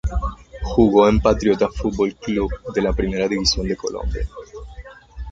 Jugó en Patriotas Fútbol Club de la Primera División de Colombia.